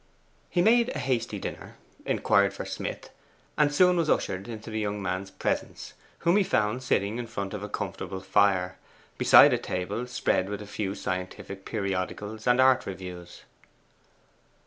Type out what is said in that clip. He made a hasty dinner, inquired for Smith, and soon was ushered into the young man's presence, whom he found sitting in front of a comfortable fire, beside a table spread with a few scientific periodicals and art reviews.